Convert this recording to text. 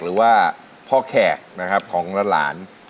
หรือว่าพ่อแขกนะครับของหลาน